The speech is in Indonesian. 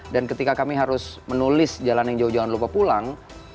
dan ketika kami harus menulis jalan yang jauh jangan lupa pulang